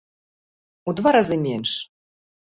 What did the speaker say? У два разы менш.